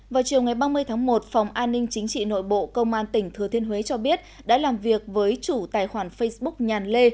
vào chiều ngày ba mươi tháng một phòng an ninh chính trị nội bộ công an tỉnh thừa thiên huế cho biết đã làm việc với chủ tài khoản facebook nhàn lê